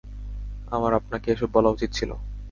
আমার আপনাকে এসব বলা উচিত ছিল।